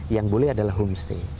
yang boleh adalah homestay